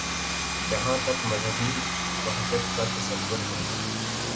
جہاں تک مذہبی وحدت کا تصور ہے۔